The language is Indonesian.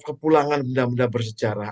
kepulangan benda benda bersejarah